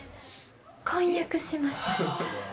婚約しました。